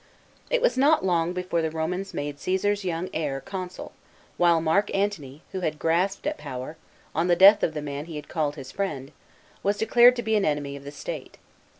It was not long, before the Romans made Caesar's young heir consul, while Mark Antony, who had grasped at power, on the death of the man he had called his friend, was declared to be an enemy of the State.